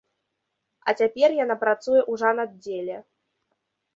А цяпер яна працуе ў жанаддзеле.